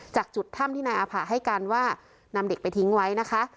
จากจุดถ้ำที่นายอาภาให้การว่านำเด็กไปทิ้งไว้นะคะ